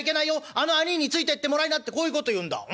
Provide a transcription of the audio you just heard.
あの兄いについてってもらいな』ってこういうこと言うんだうん。